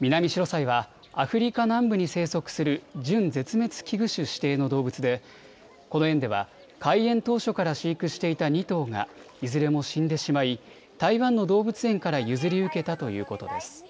ミナミシロサイはアフリカ南部に生息する準絶滅危惧種指定の動物で、この園では開園当初から飼育していた２頭がいずれも死んでしまい台湾の動物園から譲り受けたということです。